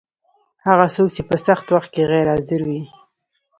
هغه څوک چې په سخت وخت کي غیر حاضر وي